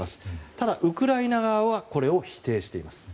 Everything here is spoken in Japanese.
ただ、ウクライナ側はこれを否定しています。